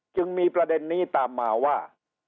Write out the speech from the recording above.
จึงมีประเด็นนี้ตามมาว่า